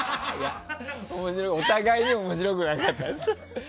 お互いに面白くなかったですよ。